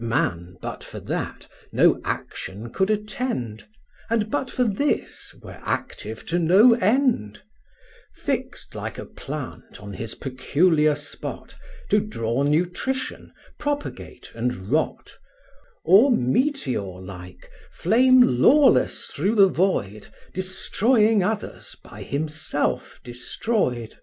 Man, but for that, no action could attend, And but for this, were active to no end: Fixed like a plant on his peculiar spot, To draw nutrition, propagate, and rot; Or, meteor like, flame lawless through the void, Destroying others, by himself destroyed.